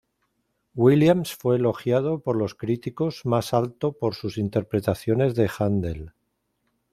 Williams fue elogiado por los críticos más alto por sus interpretaciones de Haendel.